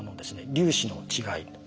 粒子の違い。